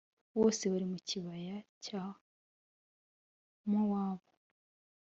bose bari mu kibaya cya mowabu.